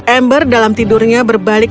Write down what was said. amber dalam tidurnya berbalik